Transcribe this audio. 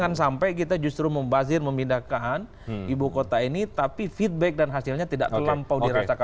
jangan sampai kita justru membazir memindahkan ibu kota ini tapi feedback dan hasilnya tidak terlampau dirasakan